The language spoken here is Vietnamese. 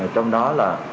trong đó là